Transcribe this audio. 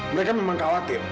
mereka memang khawatir